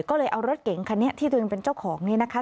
ก็เลยเอารถเก๋งคันนี้ที่ตัวเองเป็นเจ้าของนี้นะคะ